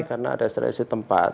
karena ada sterilisasi tempat